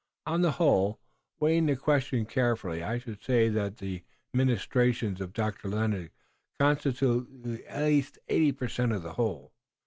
On the whole, weighing the question carefully, I should say that the ministrations of Dr. Lennox constitute at least eighty per cent of the whole."